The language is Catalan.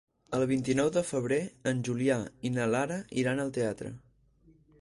El vint-i-nou de febrer en Julià i na Lara iran al teatre.